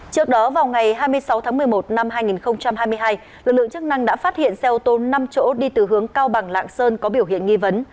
trước đó vào ngày hai mươi sáu tháng một mươi một năm hai nghìn hai mươi hai lực lượng chức năng đã phát hiện xe ô tô năm chỗ đi từ hướng cao bằng lạng sơn có biểu hiện nghi vấn